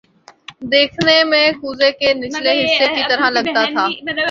دیکھنے میں کوزے کے نچلے حصے کی طرح لگتا تھا